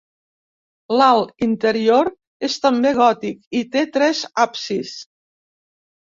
L'alt interior és també gòtic i té tres absis.